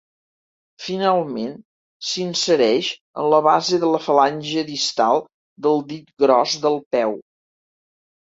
Finalment, s'insereix en la base de la falange distal del dit gros del peu.